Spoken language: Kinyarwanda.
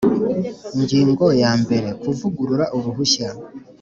Ingingo ya mbere Kuvugurura uruhushya